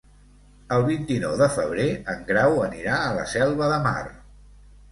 El vint-i-nou de febrer en Grau anirà a la Selva de Mar.